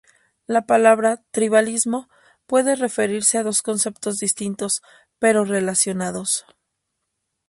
La palabra "tribalismo" puede referirse a dos conceptos distintos, pero relacionados.